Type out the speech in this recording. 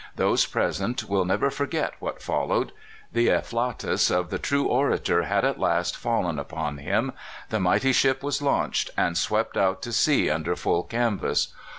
Those present will never forget what followed. The afflatus of the true orator had at last fallen upon him; the mighty ship was launched, and swept out to sea under full canvas.